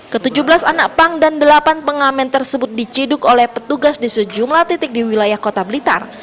ke tujuh belas anak pang dan delapan pengamen tersebut diciduk oleh petugas di sejumlah titik di wilayah kota blitar